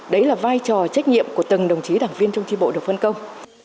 đấy là vai trò trách nhiệm của từng đồng chí đảng viên trong tri bộ được phân công